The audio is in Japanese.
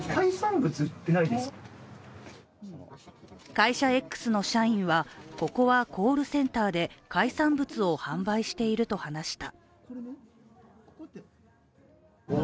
会社Ｘの社員は、ここはコールセンターで海産物を販売していると話した。